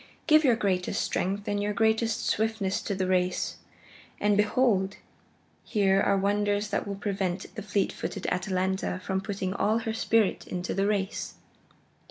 Give your greatest strength and your greatest swiftness to the race, and behold! here are wonders that will prevent the fleet footed Atalanta from putting all her spirit into the race."